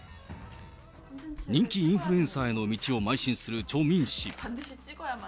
人気インフルエンサーへの道をまい進するチョ・ミン氏。